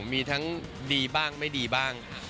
มีทั้งดีบ้างไม่ดีบ้าง